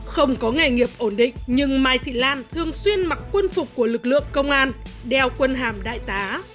không có nghề nghiệp ổn định nhưng mai thị lan thường xuyên mặc quân phục của lực lượng công an đeo quân hàm đại tá